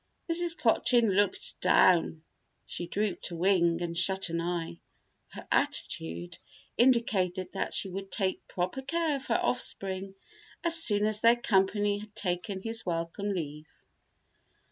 Mrs. Cochin looked down. She drooped a wing and shut an eye. Her attitude indicated that she would take proper care of her offspring as soon as their company had taken his welcome leave.